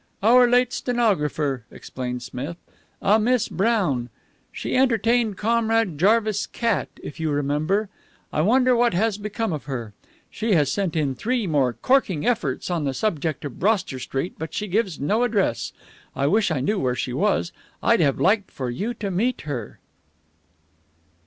"Our late stenographer," explained Smith. "A Miss Brown. She entertained Comrade Jarvis' cat, if you remember. I wonder what has become of her. She has sent in three more corking efforts on the subject of Broster Street, but she gives no address. I wish I knew where she was. I'd have liked for you to meet her."